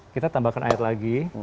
kita tambahkan air lagi